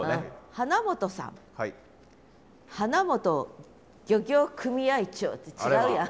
花本漁業組合長って違うやん。